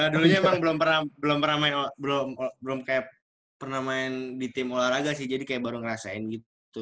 dulu emang belum pernah main di tim olahraga sih jadi kayak baru ngerasain gitu